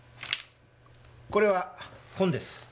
これは本です。